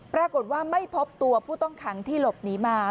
ปรากฏว่าไม่พบตัวผู้ต้องขังที่หลบหนีมา